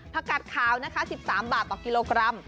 กัดขาวนะคะ๑๓บาทต่อกิโลกรัม